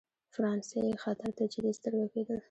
فرانسې خطر ته جدي سترګه کېدل.